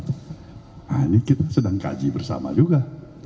nah ini kita sedang kaji bersama juga